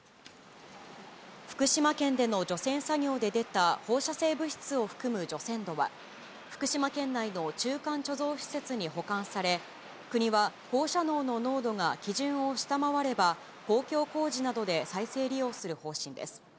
福島県での除染作業で出た放射性物質を含む除染土は、福島県内の中間貯蔵施設に保管され、国は放射能の濃度が基準を下回れば、公共工事などで再生利用する方針です。